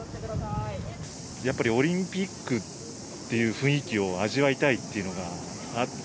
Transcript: やっぱりオリンピックっていう雰囲気を味わいたいっていうのがあって。